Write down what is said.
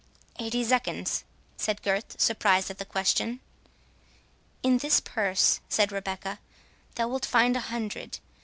"Eighty zecchins," said Gurth, surprised at the question. "In this purse," said Rebecca, "thou wilt find a hundred.